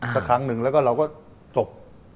สักครั้งหนึ่งแล้วก็เราก็จบ